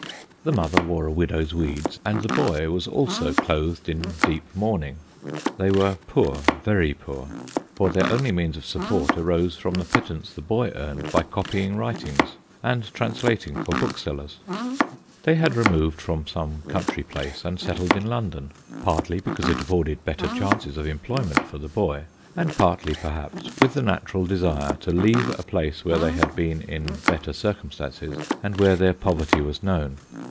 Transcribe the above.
The mother wore a widow's weeds, and the boy was also clothed in deep mourning. They were poor very poor ; for their only means of support arose from the pittance the boy earned, by copying writings, and translating for booksellers. 34 Sketches by Bos. They bad removed from some country place and settled in London ; partly because it afforded better chances of employment for the boy, and partly, perhaps, with the natural desire to leave a place where they had been in better circumstances, and where their poverty was known.